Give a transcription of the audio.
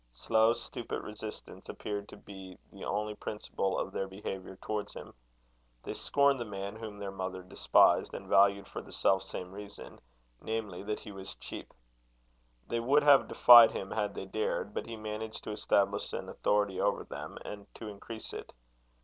Slow, stupid, resistance appeared to be the only principle of their behaviour towards him. They scorned the man whom their mother despised and valued for the self same reason, namely, that he was cheap. They would have defied him had they dared, but he managed to establish an authority over them and to increase it.